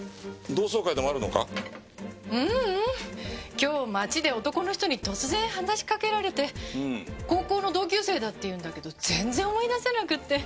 今日街で男の人に突然話しかけられて高校の同級生だって言うんだけど全然思い出せなくて。